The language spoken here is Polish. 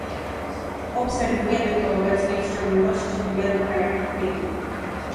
Obserwujemy to obecnie w szczególności w wielu krajach Afryki